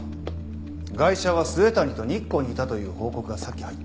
ガイシャは末谷と日光にいたという報告がさっき入った。